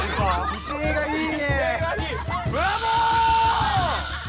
威勢がいい！